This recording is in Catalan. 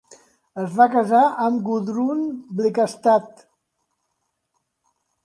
Es va casar amb Gudrun Blekastad.